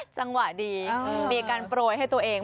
จังหวะดีมีการโปรยให้ตัวเอง